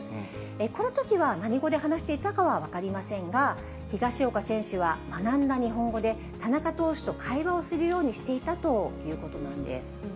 このときは何語で話していたかは分かりませんが、ヒガシオカ選手は学んだ日本語で田中投手と会話をするようにしていたということなんです。